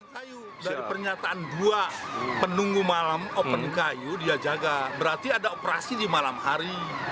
kayu dari pernyataan dua penunggu malam open kayu dia jaga berarti ada operasi di malam hari